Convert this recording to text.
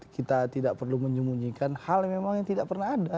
kita tidak perlu menyembunyikan hal yang memang tidak pernah ada